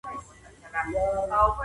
آیا اروپا اوس هم هغسې ده؟